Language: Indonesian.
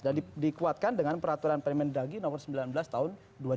dan dikuatkan dengan peraturan permendagi nomor sembilan belas tahun dua ribu sepuluh